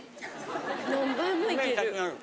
何杯もいける。